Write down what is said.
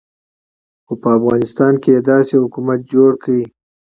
خو په افغانستان کې یې داسې حکومت جوړ کړ.